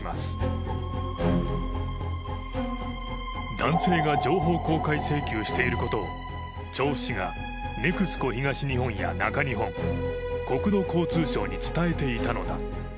男性が情報公開請求をしていることを調布市がＮＥＸＣＯ東日本や中日本、国土交通省に伝えていたのだ。